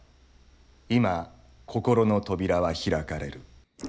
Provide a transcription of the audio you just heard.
今心の扉は開かれる。